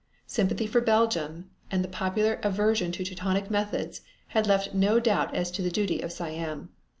Sympathy for Belgium and the popular aversion to Teutonic methods had left no doubt as to the duty of Siam.